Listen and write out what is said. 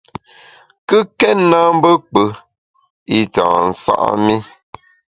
Kùkèt na mbe kpù i tâ nsa’ mi.